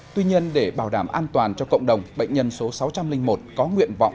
tuy nhiên để bảo đảm an toàn cho cộng đồng bệnh nhân số sáu trăm linh một có nguyện vọng